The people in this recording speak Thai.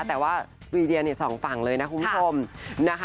แต่ว่าลีเดียสองฝั่งเลยนะคุ้มทรง